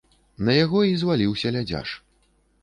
На яго і зваліўся лядзяш.